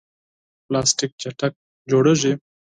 پلاستيک چټک تولیدېږي.